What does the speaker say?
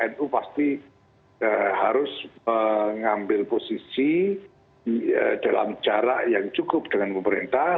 nu pasti harus mengambil posisi dalam jarak yang cukup dengan pemerintah